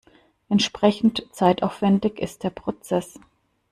Entsprechend zeitaufwendig ist der Prozess.